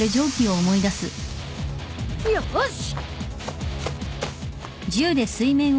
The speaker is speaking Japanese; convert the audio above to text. よし！